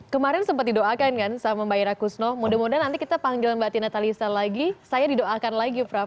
kemarin sempat didoakan kan sama mbak ira kusno mudah mudahan nanti kita panggil mbak tina talisa lagi saya didoakan lagi prof